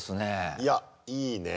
いやいいねえ。